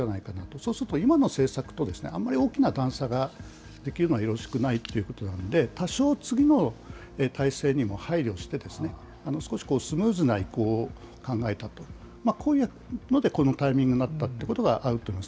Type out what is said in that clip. そうすると今の政策と、あんまり大きな段差ができるのはよろしくないということなんで、多少、次の体制にも配慮して、少しスムーズな移行を考えたと、こういうのでこのタイミングになったということがあると思います。